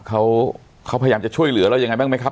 เขาพยายามจะช่วยเหลือเรายังไงบ้างไหมครับ